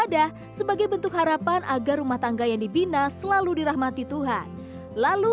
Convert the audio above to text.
dan siap bertanggung jawab